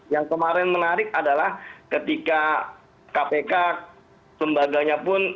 yang kemarin menarik adalah ketika kpk lembaganya pun